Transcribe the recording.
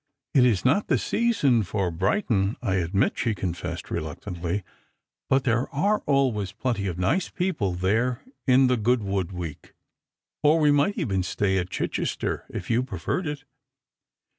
" It is not the season for Brighton, I admit," she confessed, l^eluctantly, " but there are always plenty of nice people there in the Goodwood week ; or we might even stay at Chichester, if you preferred it."